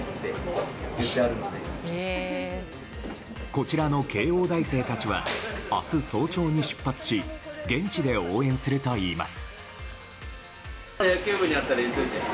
こちらの慶應大生たちは明日早朝に出発し現地で応援するといいます。